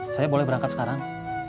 saya boleh berangkat sekarang